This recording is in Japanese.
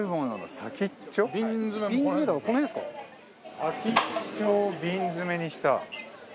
先っちょを瓶詰めにした。